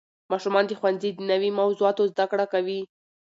ماشومان د ښوونځي د نوې موضوعاتو زده کړه کوي